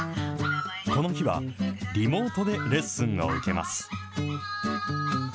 この日は、リモートでレッスンを受けます。